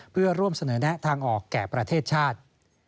เพื่อร่วมเสนอแนะทางออกแก่ประเทศชาติ